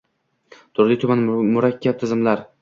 Turli-tuman murakkab tizimlar